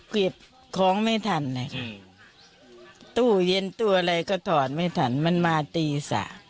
เก็บของไม่ทันเลยค่ะตู้เย็นตู้อะไรก็ถอดไม่ทันมันมาตี๓